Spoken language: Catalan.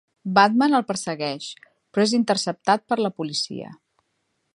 Batman el persegueix, però és interceptat per la policia.